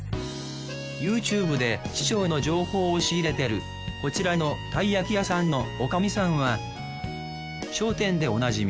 ＹｏｕＴｕｂｅで師匠の情報を仕入れてるこちらのたい焼き屋さんのおかみさんは『笑点』でおなじみ